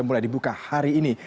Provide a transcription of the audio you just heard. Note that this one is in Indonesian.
mulai dibuka hari ini